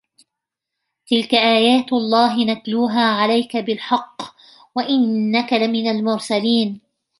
تِلْكَ آيَاتُ اللَّهِ نَتْلُوهَا عَلَيْكَ بِالْحَقِّ وَإِنَّكَ لَمِنَ الْمُرْسَلِينَ